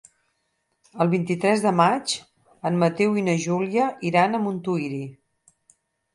El vint-i-tres de maig en Mateu i na Júlia iran a Montuïri.